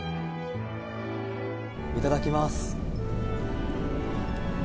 いただきます。